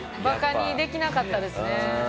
バカにできなかったですね。